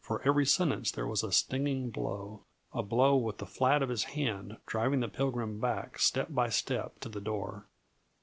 For every sentence there was a stinging blow a blow with the flat of his hand, driving the Pilgrim back, step by step, to the door.